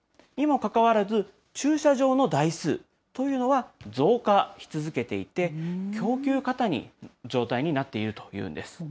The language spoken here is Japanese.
にもかかわらず、駐車場の台数というのは増加し続けていて、供給過多の状態になっているというんです。